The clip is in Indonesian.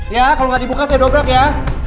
ya kalau nggak dibuka saya dobrak ya